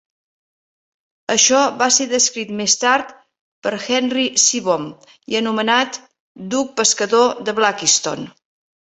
Això va ser descrit més tard per Henry Seebohm i anomenat "duc pescador de Blakiston".